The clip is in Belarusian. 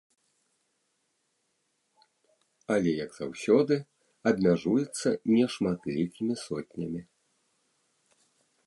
Але, як заўсёды, абмяжуецца нешматлікімі сотнямі.